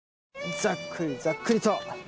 ざっくりざっくりと。